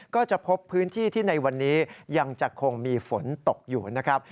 ก็จะพบพื้นที่ที่ในวันนี้ยังจะคงมีฝนตกอยู่นะครับ